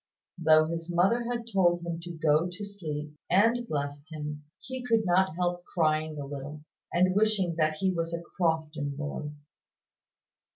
Though his mother had told him to go to sleep, and blessed him, he could not help crying a little, and wishing that he was a Crofton boy.